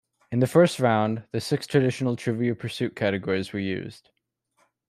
In the first round, the six traditional Trivial Pursuit categories were used.